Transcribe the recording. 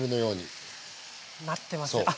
あっなってますね。